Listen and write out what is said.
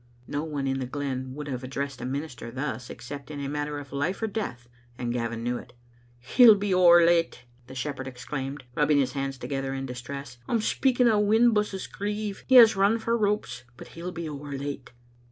No one in the glen would have addressed a minister thus except in a matter of life or death, and Gavin knew it. "He'll be ower late," the shepherd exclaimed, rub bing his hands together in distress. "I'm speaking o' Whinbusses* grieve. He has run for ropes, but he'll be ower late."